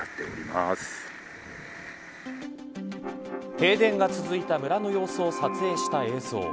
停電が続いた村の様子を撮影した映像。